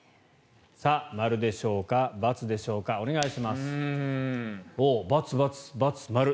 さあ、○でしょうか×でしょうかお願いします。